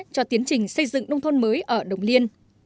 cho tiến trình xây dựng nông thôn mới ở đồng liên